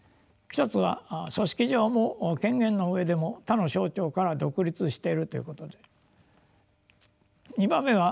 一つは組織上も権限の上でも他の省庁から独立しているということであります。